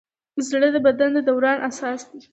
زړه د بدن د دوران اساس دی.